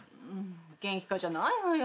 「元気か」じゃないわよ。